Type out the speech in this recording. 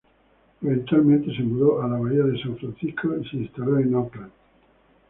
Eventualmente se mudó a la Bahía de San Francisco y se instaló en Oakland.